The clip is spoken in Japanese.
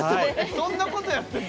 そんなことやってるの？